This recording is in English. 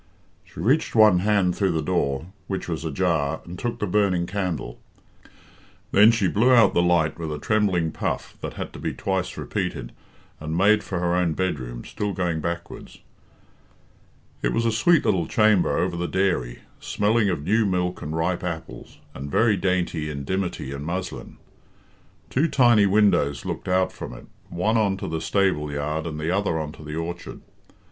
She reached one hand through the door, which was ajar, and took the burning candle. Then she blew out the light with a trembling puff, that had to be twice repeated, and made for her own bedroom, still going backwards. It was a sweet little chamber over the dairy, smelling of new milk and ripe apples, and very dainty in dimity and muslin. Two tiny windows looked out from it, one on to the stable yard and the other on to the orchard.